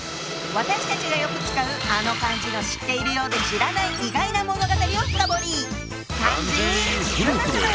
私たちがよく使うあの漢字の知ってるようで知らない意外な物語を深掘り！